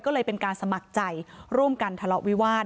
ก็เลยเป็นการสมัครใจร่วมกันทะเลาะวิวาส